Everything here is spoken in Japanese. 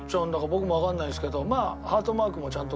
僕もわからないんですけど。